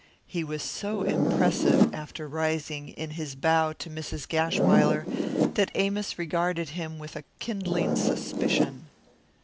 He was so impressive, after rising, in his bow to Mrs. Gashwiler that Amos regarded him with a kindling suspicion.